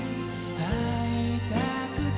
「逢いたくて」